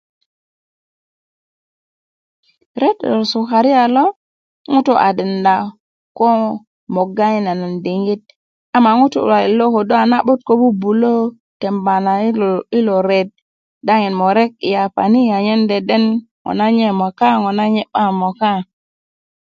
ret lo sukariya lo ŋutu' a denda ko mogga yi nanan diŋit ama ŋutu luwalet lo ködö ana'but ko bubulö temba na yilo ret daŋin murek yi yapa ni anyen deden ŋona nye moka ŋona nye 'ba moka